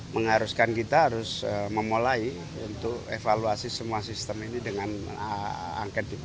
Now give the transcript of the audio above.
mengharuskan kita harus memulai untuk evaluasi semua sistem ini dengan angket juga